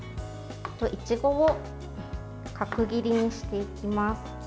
いちごを角切りにしていきます。